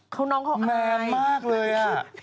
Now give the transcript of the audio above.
ข้างในโทนมือเขียน